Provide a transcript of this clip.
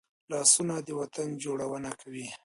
لاسونه د وطن جوړونه کوي